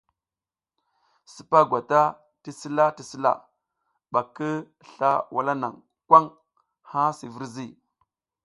Sipa gwata ti sila ti sila ɓa ki sla wala naŋ kwaŋ ŋha si virzi.